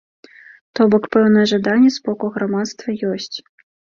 То бок пэўнае жаданне з боку грамадства ёсць.